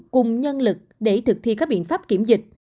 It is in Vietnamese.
cùng nhân lực để thực thi các biện pháp kiểm dịch